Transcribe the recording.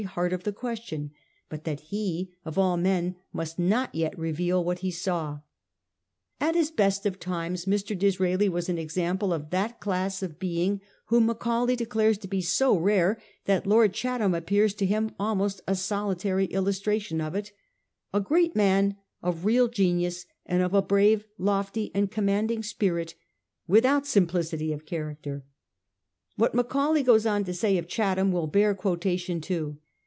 391 heart of the question, but that he, of all men, must not yet reveal what he saw At his best of times Mr. Disraeli was an example of that class of being whom Macaulay declares to be so rare that Lord Chatham appears to him almost a solitary illustra tion of it — 'a great man of real genius and of a brave, lofty and commanding spirit, without simpli city of character.' What Macaulay goes on to say of Chatham will bear quotation too.